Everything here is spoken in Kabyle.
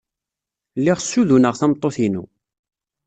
Lliɣ ssuduneɣ tameṭṭut-inu.